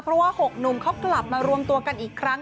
เพราะว่า๖หนุ่มเขากลับมารวมตัวกันอีกครั้ง